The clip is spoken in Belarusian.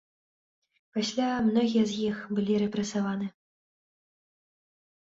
Пасля многія з іх былі рэпрэсаваны.